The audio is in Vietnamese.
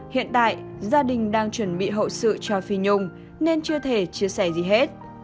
hiện tại gia đình đang chuẩn bị hậu sự cho phi nhung nên chưa thể chia sẻ gì hết